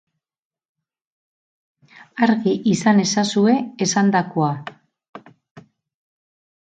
Argi izan ezazue esandakoa.